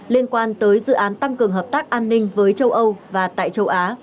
liên quan tới dự án tăng cường hợp tác an ninh với châu âu và tại châu á